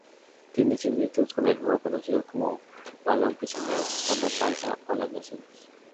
Tiene similitud con el juego conocido como "balón prisionero", "la matanza" o "las naciones".